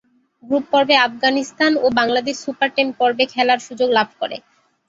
Group পর্বে আফগানিস্তান ও Bangladesh super ten পর্বে খেলার সুযোগ লাভ করে।